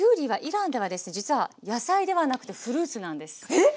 えっ！